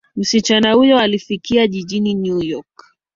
msichana huyo alifika jijini new york